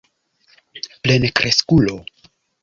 plenkreskulo